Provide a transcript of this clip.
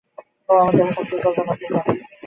ও আমার দেখা সবচেয়ে উজ্জ্বল জোনাক পোকা।